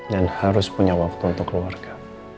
dan harus punya waktu untuk keluarga